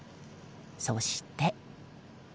そして。